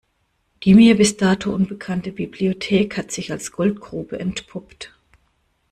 Die mir bis dato unbekannte Bibliothek hat sich als Goldgrube entpuppt.